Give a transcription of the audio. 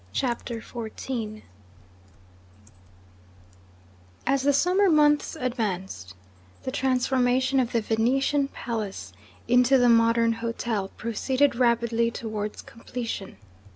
CHAPTER XIV As the summer months advanced, the transformation of the Venetian palace into the modern hotel proceeded rapidly towards completion.